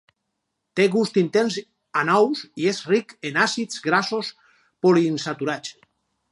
Té gust intens a nous i és ric en àcids grassos poliinsaturats.